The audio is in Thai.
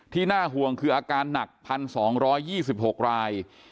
น่าห่วงคืออาการหนัก๑๒๒๖ราย